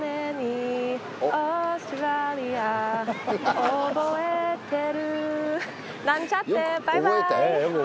憶えてるなんちゃってバイバーイ！